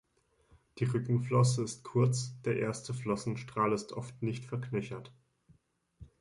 Die Rückenflosse ist kurz, der erste Flossenstrahl ist oft nicht verknöchert.